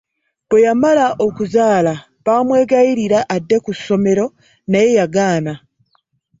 Bwe yamala okuzaala baamwegayirira adde ku ssomero naye yagaana.